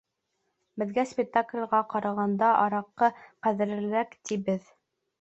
Беҙгә спектаклгә ҡарағанда араҡы ҡәҙерлерәк, тибеҙ!